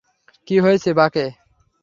কি হইসে বাকে?